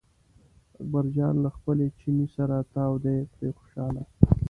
اکبر جان له خپل چیني سره تاو دی پرې خوشاله.